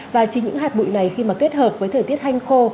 và chính những hạt bụi này khi mà kết hợp với thời tiết hanh khô